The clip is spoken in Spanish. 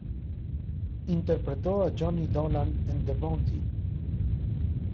Interpretó a Johnny Dolan en "The Bounty".